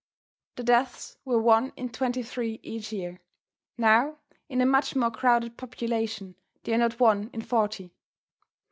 The deaths were one in 23 each year. Now in a much more crowded population they are not one in forty.